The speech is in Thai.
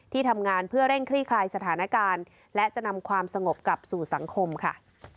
ทำงานเพื่อเร่งคลี่คลายสถานการณ์และจะนำความสงบกลับสู่สังคมค่ะ